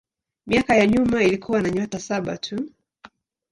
Miaka ya nyuma ilikuwa na nyota saba tu.